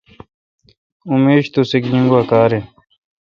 اؙن میش توسہ گیجین گوا کار این۔